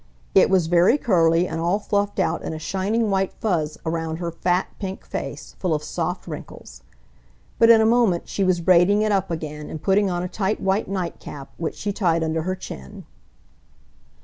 It was very curly and all fluffed out in a shining white fuzz around her fat, pink face, full of soft wrinkles; but in a moment she was braiding it up again and putting on a tight white nightcap, which she tied under her chin.